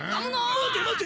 待て待て！